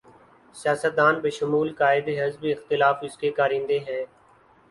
سیاست دان بشمول قائد حزب اختلاف اس کے کارندے ہیں۔